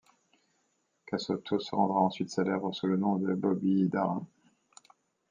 Cassotto se rendra ensuite célèbre sous le nom de Bobby Darin.